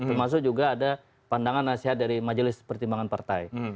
termasuk juga ada pandangan nasihat dari majelis pertimbangan partai